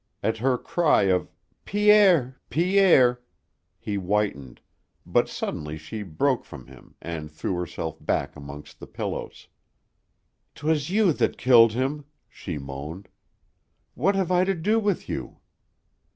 At her cry of "Pierre! Pierre!" he whitened, but suddenly she broke from him and threw herself back amongst the pillows. "'T was you that killed him," she moaned. "What hev I to do with you?"